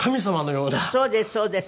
そうですそうです。